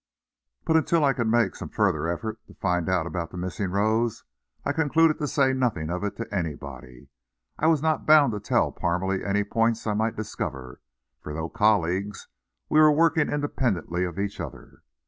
But until I could make some further effort to find out about the missing rose I concluded to say nothing of it to anybody. I was not bound to tell Parmalee any points I might discover, for though colleagues, we were working independently of each other.